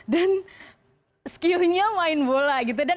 dan skillnya main bola gitu